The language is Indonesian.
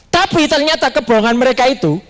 tapi ternyata kebohongan mereka itu